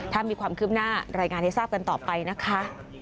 ถ้ามีความคืบหน้ารายงานให้ทราบกันต่อไปนะคะ